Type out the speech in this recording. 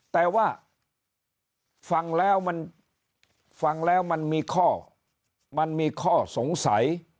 แต่ว่าฟังแล้วมันมีข้อสงสัย